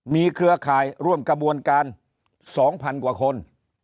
มีเครือข่ายร่วมกระบวนการ๒๐๐๐กว่าคน